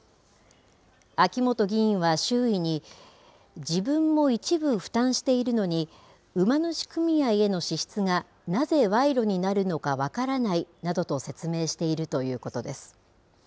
秋本議員は周囲に自分も一部負担しているのに馬主組合への支出がなぜ賄賂になるのか分からないなどと説明しているということです。